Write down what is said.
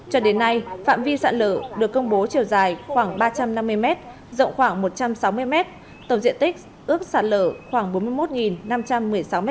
cho đến nay phạm vi sản lở được công bố chiều dài khoảng ba trăm năm mươi m rộng khoảng một trăm sáu mươi m tổng diện tích ước sạt lở khoảng bốn mươi một năm trăm một mươi sáu m hai